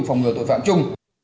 phòng ngừa tội phạm chung